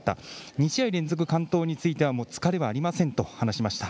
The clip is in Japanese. ２試合連続完投については疲れはありませんと話しました。